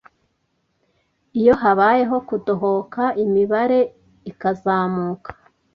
iyo habayeho kudohoka imibare ikazamuka